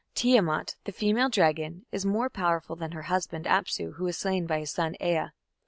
Tiamat, the female dragon, is more powerful than her husband Apsu, who is slain by his son Ea.